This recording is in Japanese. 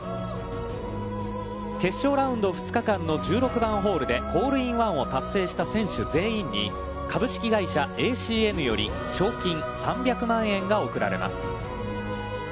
決勝ラウンド２日間の１６番ホールでホールインワンを達成した選手全員に株式会社ＡＣＮより賞金３００万円が贈られます。